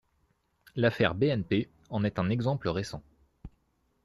L’affaire BNP en est un exemple récent.